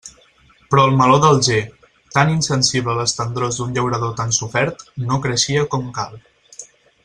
Però el meló d'Alger, tan insensible a les tendrors d'un llaurador tan sofert, no creixia com cal.